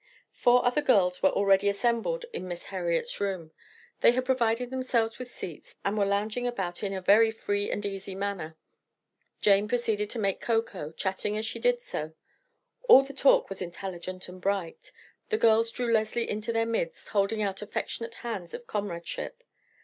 Four other girls were already assembled in Miss Heriot's room. They had provided themselves with seats, and were lounging about in a very free and easy manner. Jane proceeded to make cocoa, chatting as she did so. All the talk was intelligent and bright. The girls drew Leslie into their midst, holding out affectionate hands of comradeship.